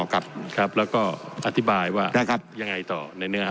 ครับแล้วก็อธิบายว่ายังไงต่อในเนื้อ